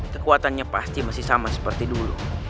kekuatannya pasti masih sama seperti dulu